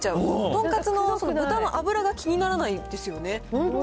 とんかつの豚の脂が気にならないんですよね。